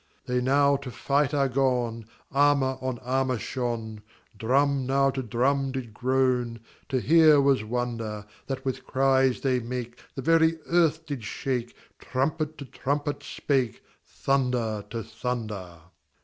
They now to fight are gone, Armor on armor shone, Drum now to drum did groan, To hear was wonder, That with cries they make The very earth did shake, Trumpet to trumpet spake, Thunder to thunder.